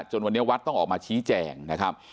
จนวันนี้วัดต้องออกมาชี้แจงนะครับ